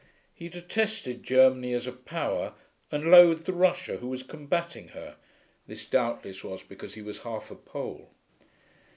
He detested Germany as a power, and loathed Russia who was combating her (this, doubtless, was because he was half a Pole).